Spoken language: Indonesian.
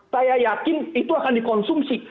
saya yakin itu akan dikonsumsi